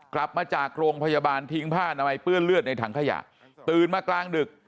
กลับมาจากโรงพยาบาลทิ้งผ้านามัยเปื้อนเลือดในถังขยะตื่นมากลางดึก